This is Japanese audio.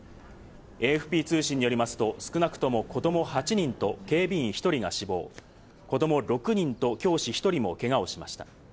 ＡＦＰ通信によりますと、少なくとも子供８人と警備員１人が死亡、子供６人と教師１人もけがをしました。